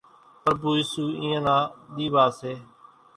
پرڀُو ايسُو اينيان نا ۮيوا سي